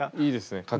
いいですね